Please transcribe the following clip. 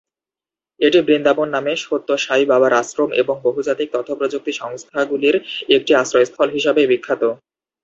এটি "বৃন্দাবন" নামে সত্য সাই বাবার আশ্রম এবং বহুজাতিক তথ্যপ্রযুক্তি সংস্থাগুলির একটি আশ্রয়স্থল হিসাবে বিখ্যাত।